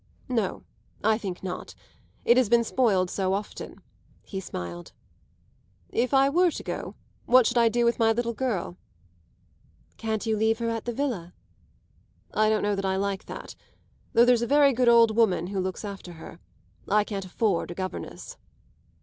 "No, I think not. It has been spoiled so often," he smiled. "If I were to go, what should I do with my little girl?" "Can't you leave her at the villa?" "I don't know that I like that though there's a very good old woman who looks after her. I can't afford a governess."